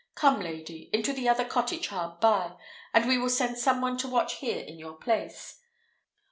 Come, lady, into the other cottage hard by, and we will send some one to watch here in your place.